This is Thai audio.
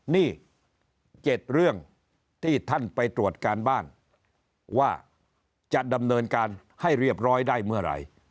นี่๗เรื่องที่ท่านไปตรวจการบ้านว่าจะดำเนินการให้เรียบร้อยได้เมื่อไหร่